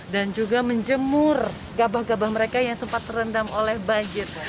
dan juga menjemur gabah gabah mereka yang sempat terendam oleh banjir